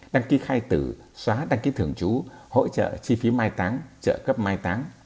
đăng ký khai tử xóa đăng ký thường trú hỗ trợ chi phí mai táng trợ cấp mai táng